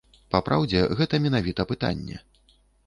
Папраўдзе, гэта менавіта пытанне.